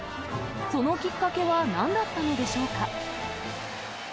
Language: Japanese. そのきっかけはなんだったのでしょうか。